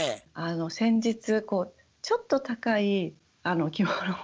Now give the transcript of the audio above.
先日こうちょっと高い着物を。